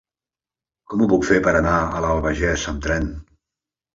Com ho puc fer per anar a l'Albagés amb tren?